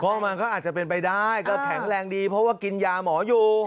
เพราะมันก็อาจจะเป็นไปได้ก็แข็งแรงดีเพราะว่ากินยาหมออยู่